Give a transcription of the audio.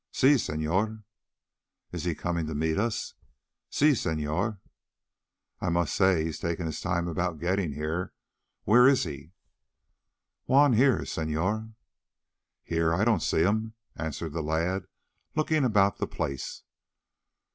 "Si, señor." "Isn't he coming to meet us?" "Si, señor." "Well, I must say he's taking his time about getting here. Where is he?" "Juan here, señor." "Here? I don't see him," answered the lad, looking about the place.